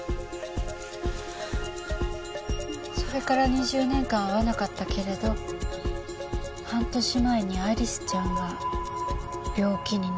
それから２０年間会わなかったけれど半年前にアリスちゃんが病気になった。